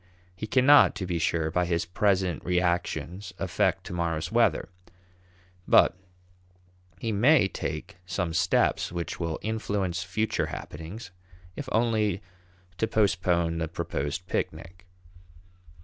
He cannot, to be sure, by his present reactions affect to morrow's weather, but he may take some steps which will influence future happenings, if only to postpone the proposed picnic.